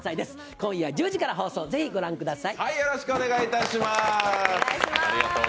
今夜１０時から放送、ぜひご覧ください。